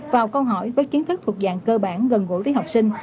vào câu hỏi với kiến thức thuộc dạng cơ bản gần gũi với học sinh